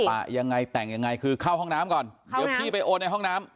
ยังไงแต่งยังไงคือเข้าห้องน้ำก่อนเดี๋ยวพี่ไปโอนในห้องน้ำ